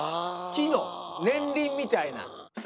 木の年輪みたいな。